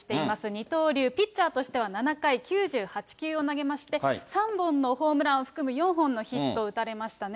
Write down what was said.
二刀流、ピッチャーとしては７回９８球を投げまして、３本のホームランを含む４本のヒットを打たれましたね。